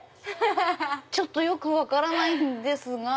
ちょっとよく分からないんですが。